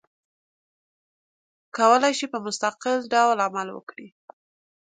کولای شي په مستقل ډول عمل وکړي.